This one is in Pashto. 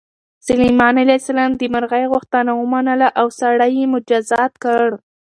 سلیمان علیه السلام د مرغۍ غوښتنه ومنله او سړی یې مجازات کړ.